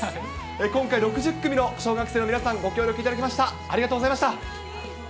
今回、６０組の小学生の皆さん、ご協力いただきました、ありがとうございました。